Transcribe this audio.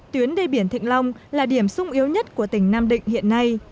tuyến đê biển thịnh long là điểm sung yếu nhất của tỉnh nam định hiện nay